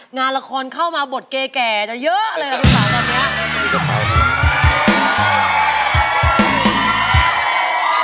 งานละครเข้ามาบดเก่จะเยอะเลยนะคุณป่าว